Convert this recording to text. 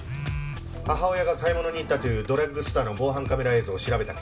母親が買い物に行ったというドラッグストアの防犯カメラ映像を調べた結果が出た。